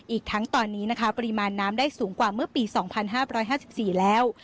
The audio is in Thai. อีกทั้งตอนนี้นะคะปริมาณน้ำได้สูงกว่าเมื่อปี๒๕๕๔แล้ว